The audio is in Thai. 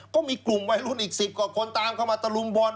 ก็มีกลุ่มวัยรุ่นอีก๑๐กว่าคนตามเข้ามาตะลุมบอล